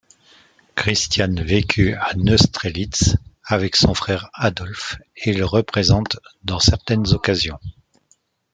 Christiane vécu à Neustrelitz avec son frère Adolphe et le représente dans certaines occasions.